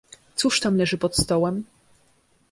"Cóż tam leży pod stołem?"